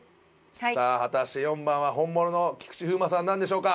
さあ果たして４番は本物の菊池風磨さんなんでしょうか？